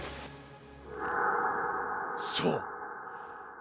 そう！